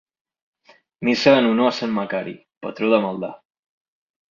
Missa en honor a Sant Macari, patró de Maldà.